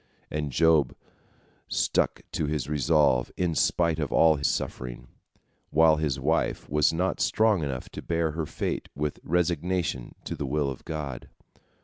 " And Job stuck to his resolve in spite of all suffering, while his wife was not strong enough to bear her fate with resignation to the will of God.